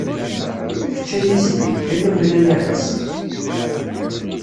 Kečč ay isli, ay amnay aras.